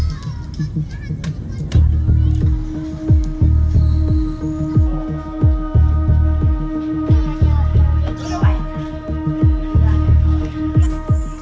memikirkan lima tempat sebelum masalah itu yang berubah